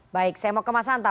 baik saya mau ke mas hanta